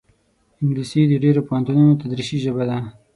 انګلیسي د ډېرو پوهنتونونو تدریسي ژبه ده